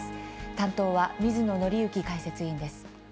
担当は水野倫之解説委員です。